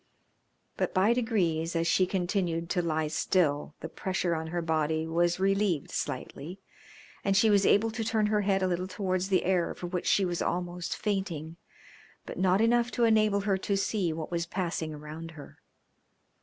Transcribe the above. But by degrees as she continued to lie still the pressure on her body was relieved slightly, and she was able to turn her head a little towards the air for which she was almost fainting, but not enough to enable her to see what was passing around her.